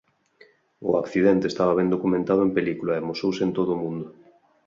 O accidente esta ben documentado en película e amosouse en todo o mundo.